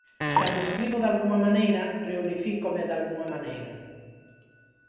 Cando escribo dalgunha maneira, reunifícome dalgunha maneira.